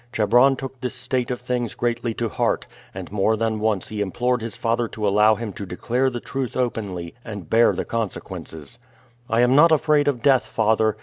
Chebron took this state of things greatly to heart, and more than once he implored his father to allow him to declare the truth openly and bear the consequences. "I am not afraid of death, father.